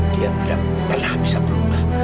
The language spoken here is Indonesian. dia tidak pernah bisa berubah